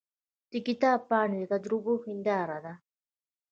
د کتاب پاڼې د تجربو هنداره ده.